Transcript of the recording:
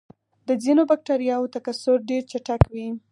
د ځینو بکټریاوو تکثر ډېر چټک وي.